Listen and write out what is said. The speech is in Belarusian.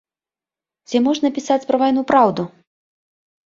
Ці можна пісаць пра вайну праўду?